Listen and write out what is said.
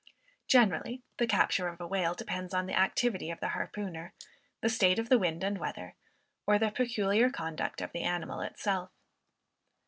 Generally the capture of a whale depends on the activity of the harpooner, the state of the wind and weather, or the peculiar conduct of the animal itself.